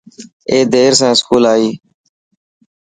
اي دير سان اسڪول آئي.